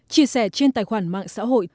chia sẻ trên tài khoản mạng xã hội